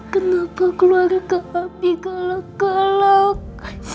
kenapa keluarga abi galak galak